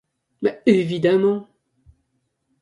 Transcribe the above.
Mais évidemment!